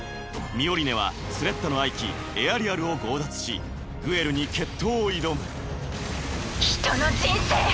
ミオリネはスレッタの愛機エアリアルを強奪しグエルに決闘を挑む人の人生